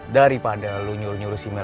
daripada lo nyuruh nyuruh si mel move on